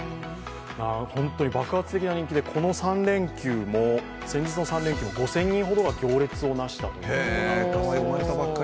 本当に爆発的な人気で先日の３連休も５０００人ほどが行列をなしたということです。